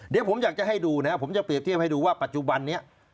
เดี๋ยวผมอยากจะให้ดูนะครับผมจะเปรียบเทียบให้ดูว่าปัจจุบันนี้